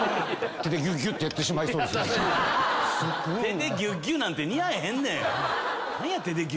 手でギュッギュッ！なんて似合えへんねん！